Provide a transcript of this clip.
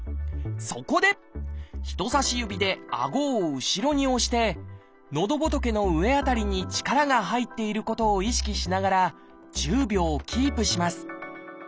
そこで人さし指であごを後ろに押してのどぼとけの上辺りに力が入っていることを意識しながら１０秒キープします。